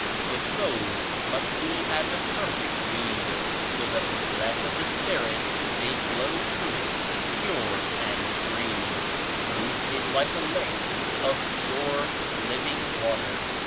The soul must be as a perfect seed so that the Breath of the Spirit may blow through it pure and free. Truth is like a lake of pure, living water.